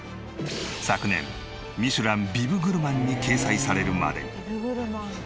昨年『ミシュラン』ビブグルマンに掲載されるまでに。